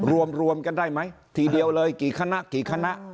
รวมกันได้ไหมทีเดียวเลยกี่คณะกี่คณะ